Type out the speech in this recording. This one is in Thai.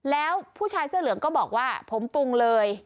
แล้วผู้ชายเสื้อเหลืองก็บอกว่าผมปรุงเลย